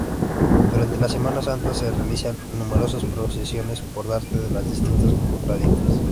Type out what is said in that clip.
Durante la Semana Santa se realizan numerosas procesiones por parte de las distintas cofradías.